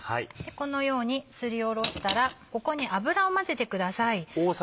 このようにすりおろしたらここに油を混ぜてください。